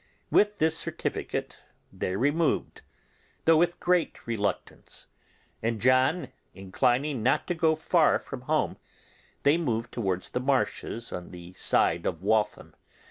With this certificate they removed, though with great reluctance; and John inclining not to go far from home, they moved towards the marshes on the side of Waltham.